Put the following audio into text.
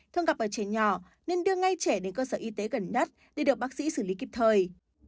thường gặp ở trẻ nhỏ nên đưa ngay trẻ đến cơ sở y tế gần nhất để được bác sĩ xử lý kịp thời